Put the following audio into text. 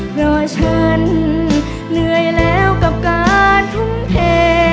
เพราะฉันเหนื่อยแล้วกับการทุ่มเท